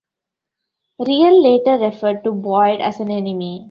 Riel later referred to Boyd as an enemy.